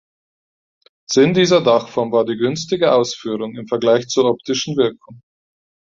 Sinn dieser Dachform war die günstige Ausführung im Vergleich zur optischen Wirkung.